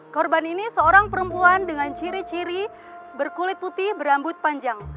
korban ini seorang perempuan dengan ciri ciri berkulit putih berambut panjang